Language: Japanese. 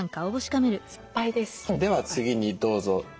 では次にどうぞ。